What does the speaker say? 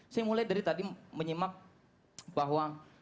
saya mulai dari tadi menyimak bahwa